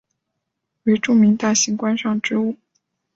为著名大型观赏植物。